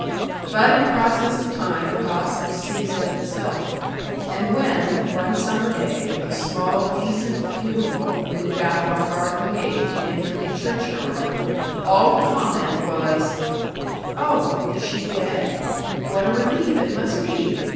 But in process of time the gossip ceased of itself; and when, one summer day, a small decent funeral moved out of our garden gate to Enderley churchyard, all the comment was: "Oh! is she dead? What a relief it must be!